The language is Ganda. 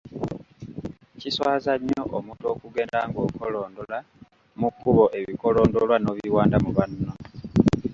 Kiswaza nnyo omuntu okugenda ng’okolondola mu kkubo ebikolondolwa n’obiwanda mu banno.